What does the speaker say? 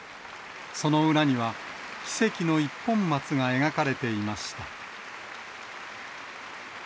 その裏には奇跡の一本松が描かれていました。